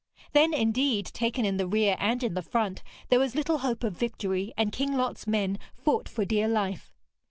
Then, indeed, taken in the rear and in the front, there was little hope of victory, and King Lot's men fought for dear life.